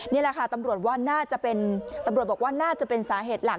นี่แหละค่ะตำรวจบอกว่าน่าจะเป็นสาเหตุหลัก